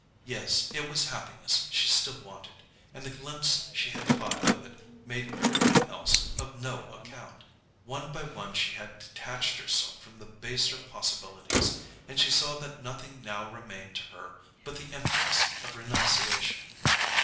Yes—it was happiness she still wanted, and the glimpse she had caught of it made everything else of no account. One by one she had detached herself from the baser possibilities, and she saw that nothing now remained to her but the emptiness of renunciation.